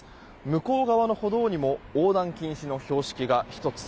向こう側の歩道にも横断禁止の標識が１つ。